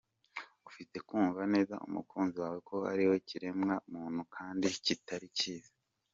Ufite kumva neza umukunzi wawe ko ari we kiremwa muntu kandi kitari cyiza.